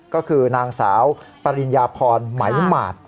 ก็คือนางสาวปริญญาพรไหมหมาด